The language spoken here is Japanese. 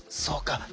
そうか。